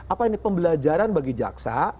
apa ini pembelajaran bagi jaksa